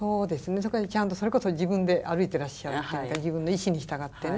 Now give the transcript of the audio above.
特にちゃんとそれこそ自分で歩いてらっしゃる自分の意志に従ってね。